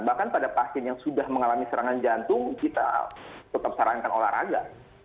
bahkan pada pasien yang sudah mengalami serangan jantung kita tetap sarankan olahraga